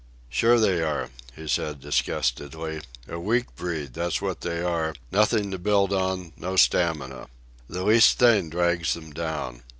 "Sure they are," he said disgustedly. "A weak breed, that's what they are—nothing to build on, no stamina. The least thing drags them down.